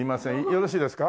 よろしいですか？